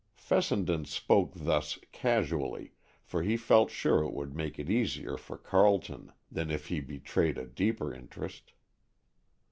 Fessenden spoke thus casually, for he felt sure it would make it easier for Carleton than if he betrayed a deeper interest.